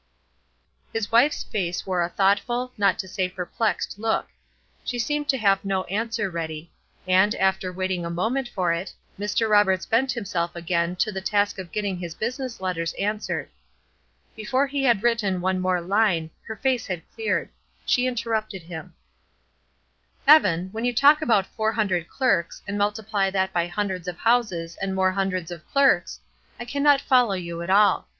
His wife's face wore a thoughtful, not to say perplexed look; she seemed to have no answer ready; and, after waiting a moment for it, Mr. Roberts bent himself again to the task of getting his business letters answered. Before he had written one more line, her face had cleared. She interrupted him: "Evan, when you talk about four hundred clerks, and multiply that by hundreds of houses and more hundreds of clerks, I cannot follow you at all.